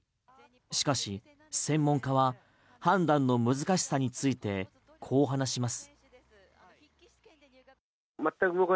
しかし専門家は判断の難しさについてこう話します。